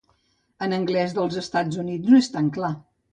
En l'anglès dels Estats Units, no és tan clar.